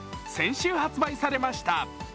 先週発売されました。